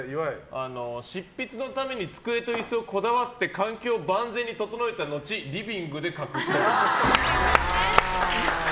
執筆のために机と椅子をこだわって環境を万全に整えた後リビングで書くっぽい。